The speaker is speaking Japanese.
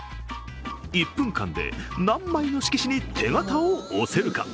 １分間で何枚の色紙に手形を押せるか。